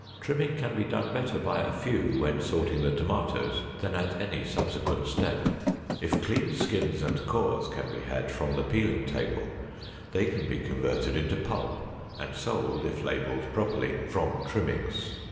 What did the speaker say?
Trimming can be done better by a few when sorting the tomatoes than at any subsequent step. If clean skins and cores can be had from the peeling table, they can be converted into pulp and sold if labeled properly, "from trimmings."